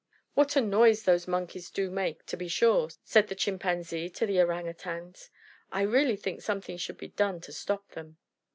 "What a noise those Monkeys do make, to be sure!" said the Chimpanzee to the Orang Utangs. "I really think something should be done to stop them."